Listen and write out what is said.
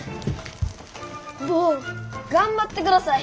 坊頑張ってください。